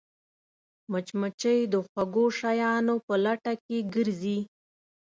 مچمچۍ د خوږو شیانو په لټه کې ګرځي